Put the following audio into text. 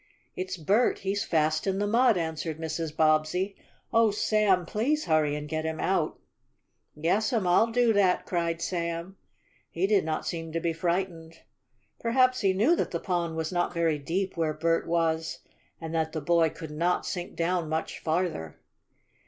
"It's Bert! He's fast in the mud!" answered Mrs. Bobbsey. "Oh, Sam, please hurry and get him out!" "Yas'am, I'll do dat!" cried Sam. He did not seem to be frightened. Perhaps he knew that the pond was not very deep where Bert was, and that the boy could not sink down much farther.